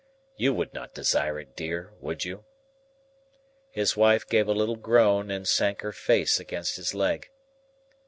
You would not desire it, dear, would you?" His wife gave a little groan and sank her face against his leg.